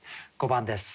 ５番です。